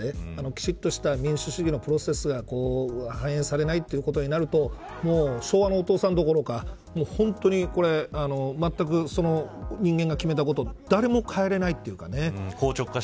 きちんとした民主主義のプロセスが反映されないということになると昭和のお父さんどころか本当にまったく人間が決めたことを誰も変えられないというか。